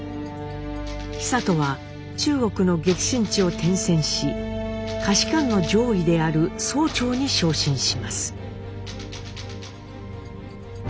久渡は中国の激戦地を転戦し下士官の上位である曹長に昇進します。